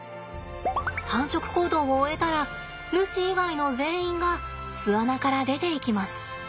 繁殖行動を終えたらヌシ以外の全員が巣穴から出ていきます。